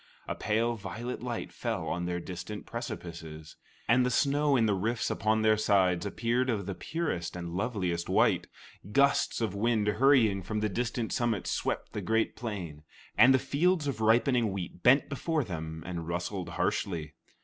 A pale violet light fell on their distant precipices, and the snow in the rifts upon their sides appeared of the purest and loveliest white. Gusts of wind hurrying from the distant summits swept the great plain, and the fields of ripening wheat bent before them and rustled harshly.